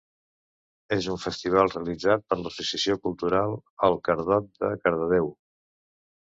És un festival realitzat per l’Associació Cultural El Cardot de Cardedeu.